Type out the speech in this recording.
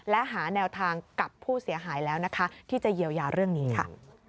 และหาแนวทางกับผู้เสียหายแล้วนะคะที่จะเยียวยาเรื่องนี้ค่ะ